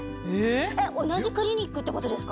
同じクリニックってことですか？